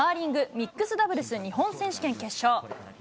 ミックスダブルス日本選手権決勝。